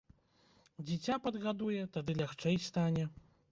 Дзіця падгадуе, тады лягчэй стане.